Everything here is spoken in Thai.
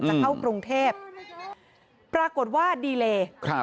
จะเข้ากรุงเทพปรากฏว่าดีเลย์